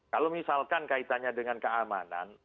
kalau misalkan kaitannya dengan keamanan